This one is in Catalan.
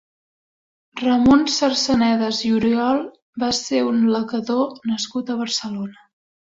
Ramon Sarsanedas i Oriol va ser un lacador nascut a Barcelona.